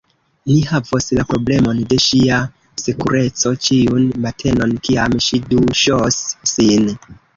Ni havos la problemon de ŝia sekureco ĉiun matenon, kiam ŝi duŝos sin.